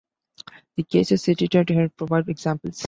The cases cited here provide examples.